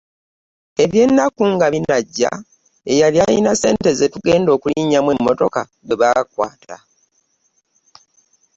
Eby'ennaku nga binajja eyali ayina ssente ze tugenda okulinnyamu emmotoka gwe baakwata.